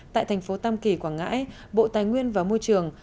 tại thành phố tam kỳ quảng ngãi bộ tài nguyên và môi trường